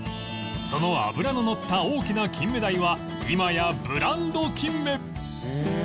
その脂ののった大きなキンメダイは今やブランドキンメ